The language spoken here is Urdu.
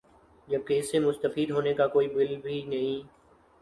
جبکہ اس سے مستفید ہونے کا کوئی بل بھی نہیں